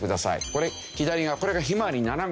これ左がこれがひまわり７号。